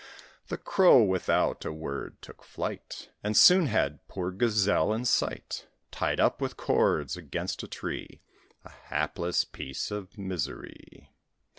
The Crow, without a word, took flight, And soon had poor Gazelle in sight, Tied up with cords against a tree, A hapless piece of misery.